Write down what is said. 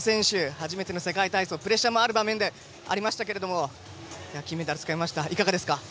初めての世界体操プレッシャーもある場面ではありましたけれども金メダルつかみましたいかがですか？